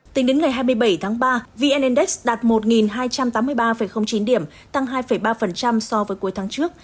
tính đến ngày hai mươi bảy tháng ba vn index đạt một hai trăm tám mươi ba chín điểm tăng hai ba so với cuối tháng trước